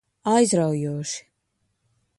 Aizraujoši.